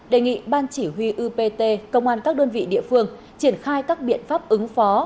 đề nghị ban chỉ huy upt công an các đơn vị địa phương triển khai các biện pháp ứng phó